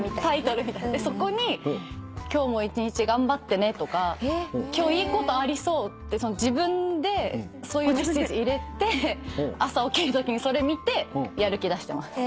そこに「今日も一日頑張ってね」とか「今日いいことありそう」って自分でそういうメッセージ入れて朝起きるときにそれ見てやる気出してます。